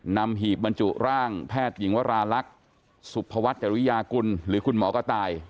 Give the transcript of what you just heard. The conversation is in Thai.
หีบบรรจุร่างแพทย์หญิงวราลักษณ์สุภวัฒน์จริยากุลหรือคุณหมอกระต่าย